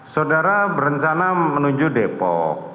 saudara berencana menuju depok